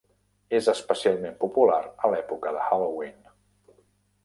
És especialment popular a l'època de Halloween.